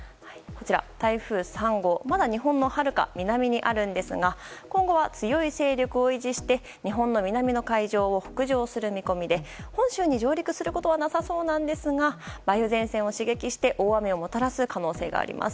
台風３号、まだ日本のはるか南にあるんですが今後は、強い勢力を維持して日本の南の海上を北上する見込みで本州に上陸することはなさそうなんですが梅雨前線を刺激して大雨をもたらす可能性があります。